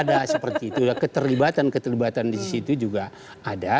ada seperti itu keterlibatan keterlibatan di situ juga ada